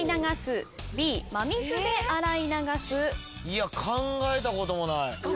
いや考えたこともない。